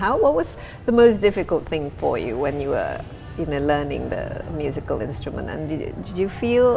apa yang paling sulit bagi kamu ketika kamu belajar instrumen musik